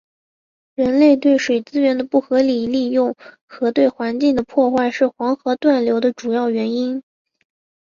人类对水资源的不合理利用和对环境的破坏是黄河断流的主要原因。